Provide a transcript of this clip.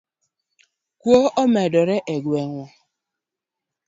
Kuo omedore e gweng' wa